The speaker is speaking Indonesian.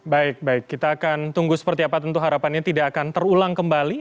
baik baik kita akan tunggu seperti apa tentu harapannya tidak akan terulang kembali